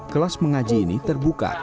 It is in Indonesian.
kelas mengaji ini terbuka